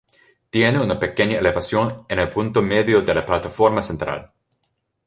Tiene una pequeña elevación en el punto medio de la plataforma central.